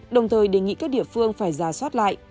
đồng thời đề nghị các địa phương phải ra soát lại